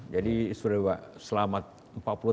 jadi sudah selama empat puluh tahun kan